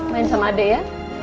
main sama adek ya